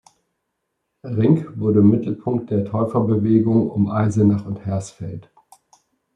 Rinck wurde Mittelpunkt der Täuferbewegung um Eisenach und Hersfeld.